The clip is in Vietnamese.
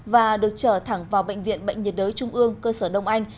và được trở thẳng vào bệnh viện bệnh nhiệt đới trung ương cơ sở đông anh